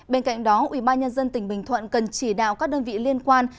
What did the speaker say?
bên cạnh đó ubnd tỉnh bình thuận cần chỉ đạo các đơn vị liên quan